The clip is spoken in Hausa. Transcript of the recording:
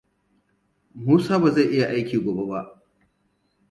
Musa bazai iya aiki gobe ba.